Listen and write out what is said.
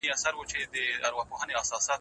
د ځوانانو انرژي باید سمه وکارول شي.